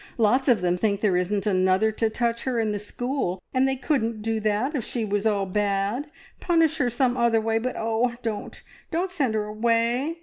Lots of them think there isn't another to touch her in the school, and they couldn't do that if she was all bad. Punish her some other way, but oh, don't, don't send her away!